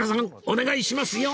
お願いしますよ！